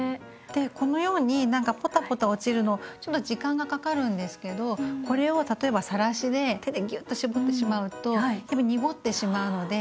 でこのようにポタポタ落ちるのちょっと時間がかかるんですけどこれを例えばさらしで手でぎゅっと絞ってしまうとやっぱり濁ってしまうので。